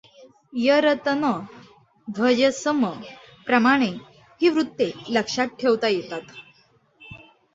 यरतनभजसम प्रमाणे ही वृत्ते लक्षात ठेवता येतात.